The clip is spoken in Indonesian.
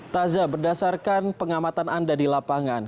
taza berdasarkan pengamatan anda di lapangan